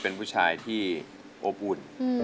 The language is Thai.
เป็นผู้ชายที่อบอุ่น